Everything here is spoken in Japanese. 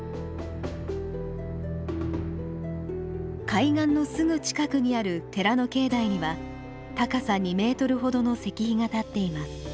海岸のすぐ近くにある寺の境内には高さ２ｍほどの石碑が立っています。